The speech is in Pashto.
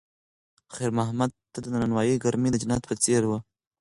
خیر محمد ته د نانوایۍ ګرمي د جنت په څېر وه.